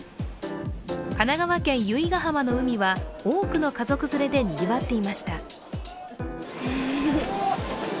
神奈川県・由比ヶ浜の海は多くの家族連れでにぎわっていました。